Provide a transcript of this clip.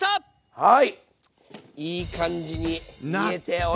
はい。